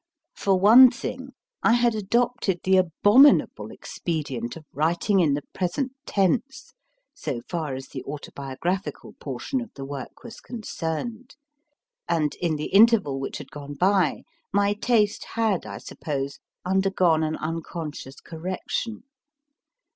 For one thing, I had adopted the abominable expedient of writing in the present tense so far as the auto biographical portion of the work was concerned, and, in the interval which had gone by, my taste had, I suppose, undergone an unconscious correction.